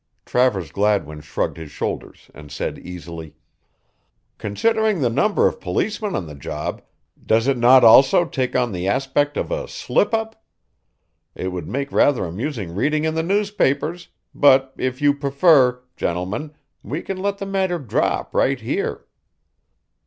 Travers Gladwin shrugged his shoulders and said easily: "Considering the number of policemen on the job, does it not also take on the aspect of a slip up? It would make rather amusing reading in the newspapers, but if you prefer, gentlemen, we can let the matter drop right here."